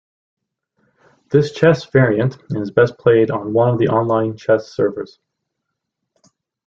This chess variant is best played on one of the online chess servers.